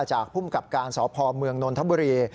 ภูมิกับการสพเมืองนนทบุรี